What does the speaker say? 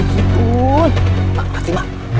nanti gue pake